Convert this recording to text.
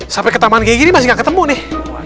sampai ke taman kayak gini masih gak ketemu nih